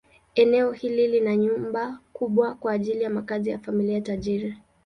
Eneo hili lina nyumba kubwa kwa ajili ya makazi ya familia tajiri.